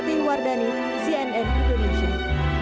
datin wardhani cnn indonesia